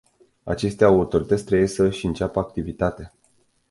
Aceste autorități trebuie să-și înceapă activitatea.